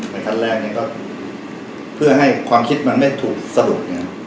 ขั้นแรกก็เพื่อให้ความคิดมันไม่ถูกสรุป